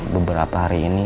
beberapa hari ini